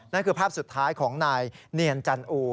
นั่นคือภาพสุดท้ายของนายเนียนจันอู